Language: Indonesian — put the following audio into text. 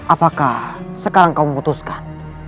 apakah sekarang kau memutuskan